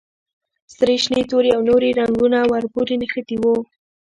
سرې، شنې، تورې او نورې رنګونه ور پورې نښتي وو.